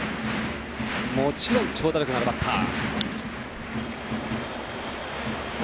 もちろん、長打力のあるバッター。